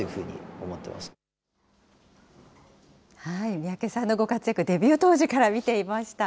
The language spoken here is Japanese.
三宅さんのご活躍、デビュー当時から見ていました。